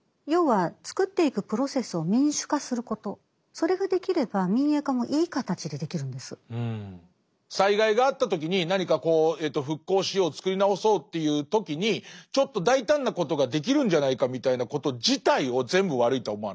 それから進めていく時に民営化するにしても要は作っていく災害があった時に何かこう復興しよう作り直そうという時にちょっと大胆なことができるんじゃないかみたいなこと自体を全部悪いとは思わない。